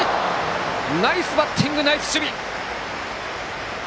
ナイスバッティングナイス守備！